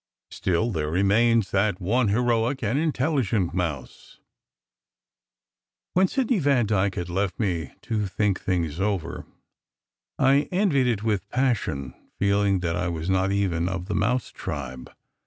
Still, there remains that one heroic and intelligent mouse. When Sidney Vandyke had left me to "think things over," I envied it with passion, feeling that I was not even of the mouse tribe.